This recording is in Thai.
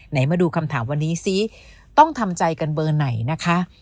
มาดูคำถามวันนี้ซิต้องทำใจกันเบอร์ไหนนะคะ